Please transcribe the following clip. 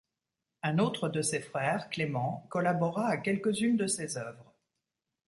Un autre de ses frères, Clément, collabora à quelques-unes de ses oeuvres.